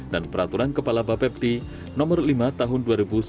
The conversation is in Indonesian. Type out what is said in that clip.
dan peraturan kepala bapepti no lima tahun dua ribu sembilan belas